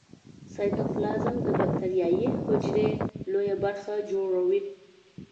سایتوپلازم د باکتریايي حجرې لویه برخه جوړوي.